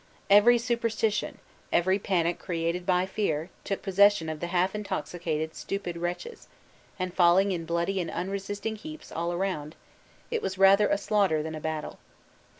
Every superstition, every panic created by fear took possession of the half intoxicated, stupid wretches; and falling in bloody and unresisting heaps all around, it was rather a slaughter than a battle.